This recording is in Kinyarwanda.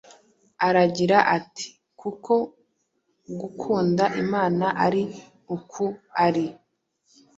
aragira ati, “Kuko gukunda Imana ari uku ari